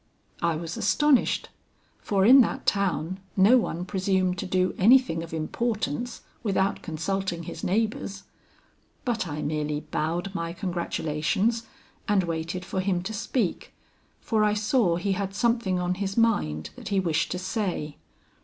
"I was astonished, for in that town no one presumed to do anything of importance without consulting his neighbors; but I merely bowed my congratulations, and waited for him to speak, for I saw he had something on his mind that he wished to say.